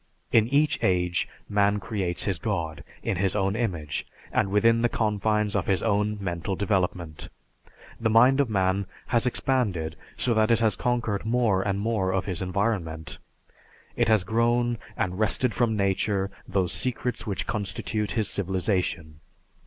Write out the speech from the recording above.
In each age man creates his god, in his own image, and within the confines of his own mental development. The mind of man has expanded so that it has conquered more and more of his environment; it has grown and wrested from nature those secrets which constitute his civilization.